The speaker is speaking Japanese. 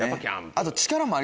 あと。